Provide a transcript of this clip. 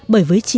bởi với chị